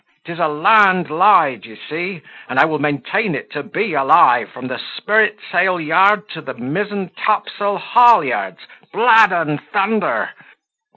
'tis a land lie, d'ye see; and I will maintain it to be a lie, from the sprit sail yard to the mizen top sail haulyards! Blood and thunder!